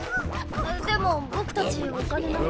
でも僕たちお金なんて。